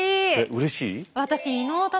うれしい？